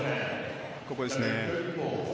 ここですね。